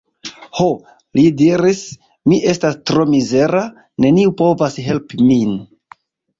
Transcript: Ho, li diris, mi estas tro mizera; neniu povas helpi min.